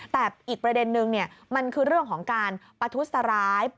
แต่อีกประเด็นนึงมันคือเรื่องของการประทุษร้าย